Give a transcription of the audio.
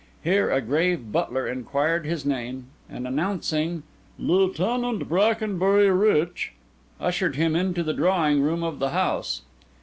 Here a grave butler inquired his name, and announcing "Lieutenant Brackenbury Rich," ushered him into the drawing room of the house.